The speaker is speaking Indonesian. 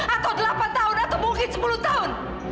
atau delapan tahun atau mungkin sepuluh tahun